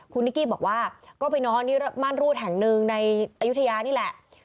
คุณนิกกี้บอกว่าก็ไปนอนที่ม่านรูดแห่งหนึ่งในอายุทยานี่แหละ